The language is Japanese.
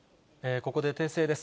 ここで訂正です。